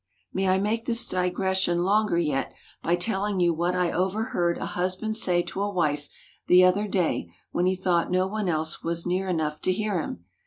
May I make this digression longer yet, by telling you what I overheard a husband say to a wife the other day when he thought no one else was near enough to hear him.